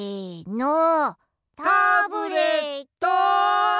タブレットン！